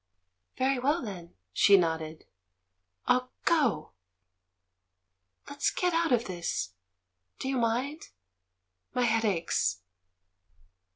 "Very well, then." She nodded. "I'll go! ... Let's get out of this — do you mind? — my head aches."